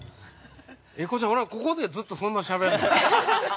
◆英孝ちゃん、ここでずっと俺ら、そんなしゃべるの。